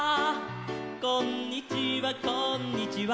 「こんにちはこんにちは」